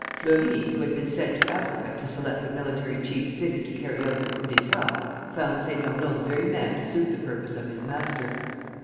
Fleury, who had been sent to Africa to select a military chief fitted to carry out the coup d'état, found Saint Arnaud the very man to suit the purpose of his master.